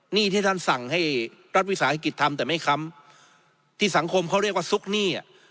หนี้ที่ท่านสั่งให้รัฐวิสาหกิจทำแต่ไม่ค้ำที่สังคมเขาเรียกว่าซุกหนี้อ่ะ